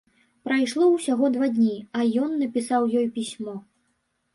Прайшло ўсяго два дні, а ён напісаў ёй пісьмо.